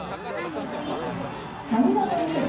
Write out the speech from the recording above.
髪のトリセツ。